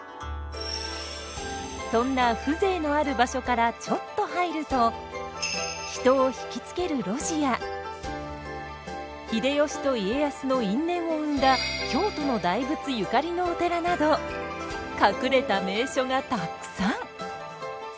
そんな風情のある場所からちょっと入ると人を引きつける路地や秀吉と家康の因縁を生んだ京都の大仏ゆかりのお寺など隠れた名所がたくさん。